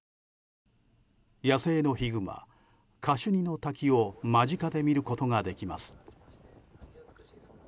野生のヒグマ、カシュニの滝を間近で見ることができます。